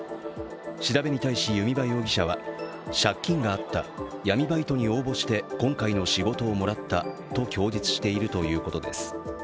調べに対し弓場容疑者は借金があった、闇バイトに応募して今回の仕事をもらったと供述しているということです。